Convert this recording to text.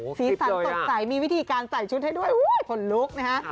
โหศีรษรักตัวใสมีวิธีการใส่ชุดให้ด้วยอู้ยผลลุกนะฮะ